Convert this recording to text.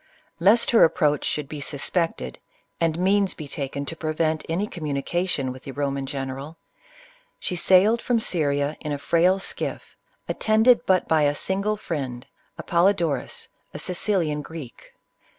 Lest her approach should be suspected, and means be taken to prevei^ any communication with the Ro man general, she sailed from Syria in a frail skiff, at tended but by a single friend, Apollodorus, a Sicilian Greek.